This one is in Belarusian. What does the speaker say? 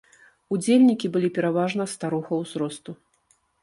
Удзельнікі былі пераважна старога ўзросту.